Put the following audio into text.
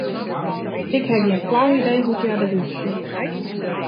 Ik ha gjin flau idee hoe't hja derút sjocht.